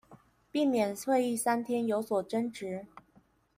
避免會議三天有所爭執